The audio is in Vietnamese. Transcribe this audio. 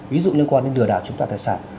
ví dụ như đưa đảo chúng ta tài sản